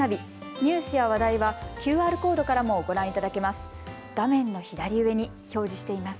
ニュースや話題はＱＲコードからもご覧いただけます。